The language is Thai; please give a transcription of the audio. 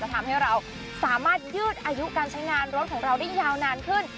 ทำให้เราสามารถยืดอายุการใช้งานรถของเราได้ยาวนานขึ้น